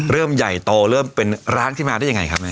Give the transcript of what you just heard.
เริ่มใหญ่โตเริ่มเริ่มเป็นร้านที่มาได้ยังไงครับ